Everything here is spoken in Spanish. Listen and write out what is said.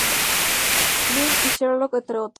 Bean" y "Sherlock" entre otras.